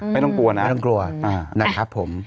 ไม่ต้องกลัวนะต้องกลัวนะครับผม